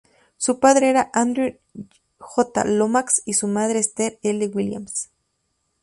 Su padre era Andrew J. Lomax y su madre, Esther L. Williams.